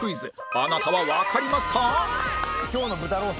あなたはわかりますか？